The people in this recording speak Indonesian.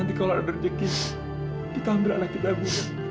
nanti kalau ada rezeki kita ambil anak kita bu